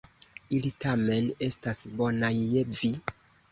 Ili tamen estas bonaj je vi.